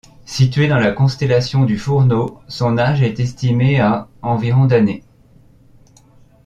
Située dans la constellation du Fourneau, son âge est estimé à environ d'années.